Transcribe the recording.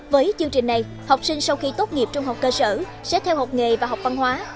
với chương trình này học sinh sau khi tốt nghiệp trung học cơ sở sẽ theo học nghề và học văn hóa